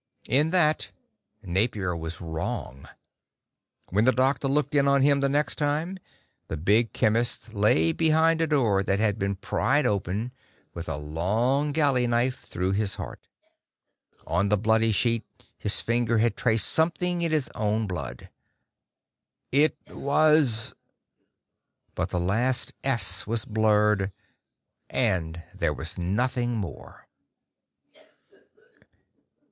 In that, Napier was wrong. When the doctor looked in on him the next time, the big chemist lay behind a door that had been pried open, with a long galley knife through his heart. On the bloody sheet, his finger had traced something in his own blood. "It was...." But the last "s" was blurred, and there was nothing more.